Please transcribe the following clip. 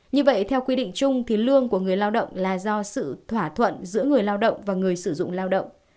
như vậy theo quy định chung lương của người lao động là do sự thỏa thuận giữa người lao động và người sử dụng lao động